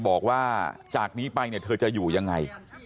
บอกว่าจากนี้ไปเนี่ยเธอจะอยู่ยังไง